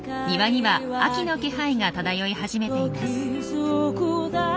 庭には秋の気配が漂い始めています。